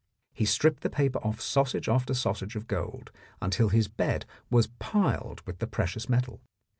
He stripped the paper off sausage after sausage of gold, until his bed was piled with the precious metal.